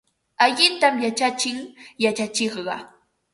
Allintam yachachin yachachiqqa.